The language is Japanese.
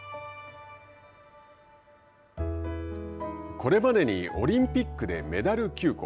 これまでにオリンピックでメダル９個。